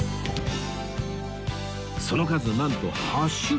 その数なんと８種類